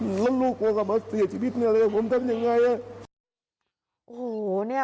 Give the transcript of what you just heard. แล้วลูกก็กลับมาเสียชีวิตมาเลยผมทำยังไง